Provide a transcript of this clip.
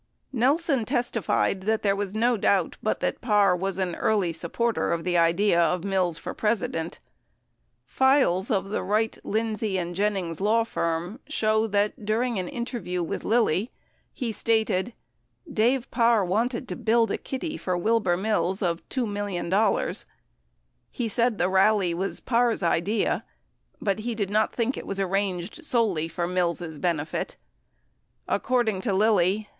Nelson testified that there was no doubt but that Parr was an early supporter of the idea of Mills for President. Files of the Wright, Lind sey, and Jennings law firm show that during an interview with Lilly, he stated : "Dave Parr wanted to build a kitty for Wilbur Mills of $2,000,000." 65 He said the rally was Parr's idea, but he did not think it was arranged solely for Mills' benefit. According to Lilly